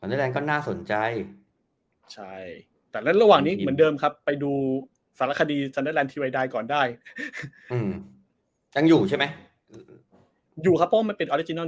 แบบนั้นก็น่าสนใจใช่แต่ระหว่างนี้เหมือนเดิมครับไปดูศาลคดีที่ไว้ได้ก่อนได้ยังอยู่ใช่ไหมอยู่ครับว่ามันเป็นออริจินัล